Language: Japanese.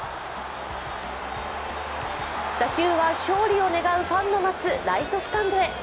打球は勝利を願うファンの待つライトスタンドへ。